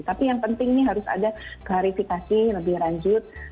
tapi yang penting ini harus ada klarifikasi lebih lanjut